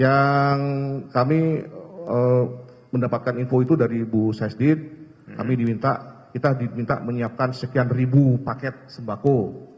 yang kami mendapatkan info itu dari bu sesdit kami diminta kita diminta menyiapkan sekian ribu paket sembako